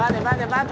待て！